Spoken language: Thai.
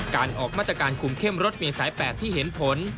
การออกมาตรการคุมเข้มรถเมษาย๘ที่เห็นผล